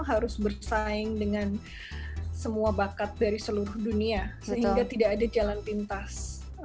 harus bersaing dengan semua bakat dari seluruh dunia sehingga tidak ada jalan pintas